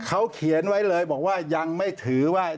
เขาเขียนไว้เลยบอกว่ายังไม่ถือว่า